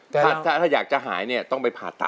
อเจมส์ถ้าอยากจะหายนี่ต้องไปผ่าซะ